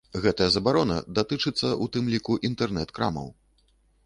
Гэтая забарона датычыцца ў тым ліку інтэрнэт-крамаў.